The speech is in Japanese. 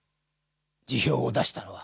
辞表を出したのは。